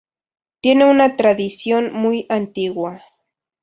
Tiene una tradición muy antigua.